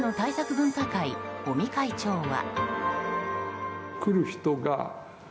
分科会尾身会長は。